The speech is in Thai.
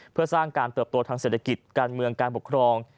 เพื่อสร้างการเติบโตทางเศรษฐกิจการเมืองการปกครอง